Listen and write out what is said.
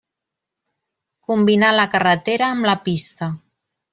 Combinà la carretera amb la pista.